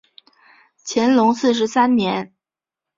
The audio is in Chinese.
乾隆四十三年。